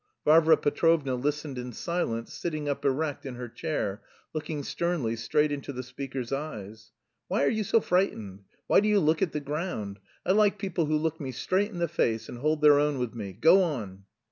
Varvara Petrovna listened in silence, sitting up erect in her chair, looking sternly straight into the speaker's eyes. "Why are you so frightened? Why do you look at the ground? I like people who look me straight in the face and hold their own with me. Go on."